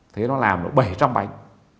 thế nó làm được bảy trăm linh bánh